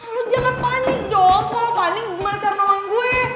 lu jangan panik dong kalau panik gimana cara ngomongin gue